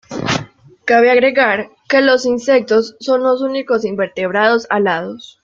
Cabe agregar que los insectos son los únicos invertebrados alados.